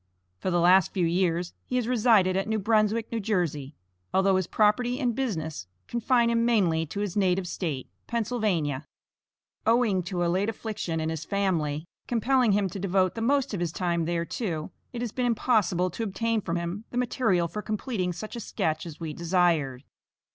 For the last few years he has resided at New Brunswick, New Jersey, although his property and business confine him mainly to his native State, Pennsylvania. Owing to a late affliction in his family, compelling him to devote the most of his time thereto, it has been impossible to obtain from him the material for completing such a sketch as was desired.